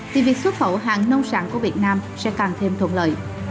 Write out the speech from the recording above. thì việc xuất khẩu hàng nông sản của việt nam sẽ càng thêm thuận lợi